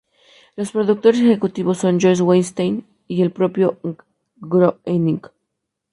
Los productores ejecutivos son Josh Weinstein y el propio Groening.